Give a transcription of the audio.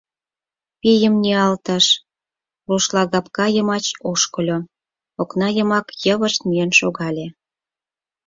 Пийым ниялтыш, рушлагапка йымач ошкыльо, окна йымак йывышт миен шогале.